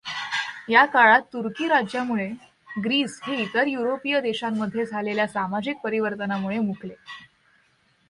या काळात तुर्की राज्यामुळे ग्रीस हे इतर युरोपीय देशांमध्ये झालेल्या सामाजिक परिवर्तानाला मुकले.